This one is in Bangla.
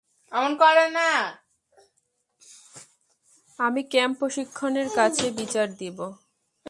আমি ক্যাম্প প্রশিক্ষকের কাছে বিচার দিবো!